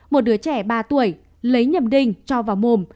một đứa trẻ ba tuổi lấy nhầm đình cho vào mồm